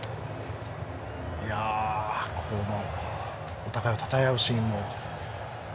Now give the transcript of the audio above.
お互いをたたえあうシーンも。